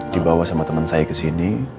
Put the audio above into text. dibawa sama teman saya ke sini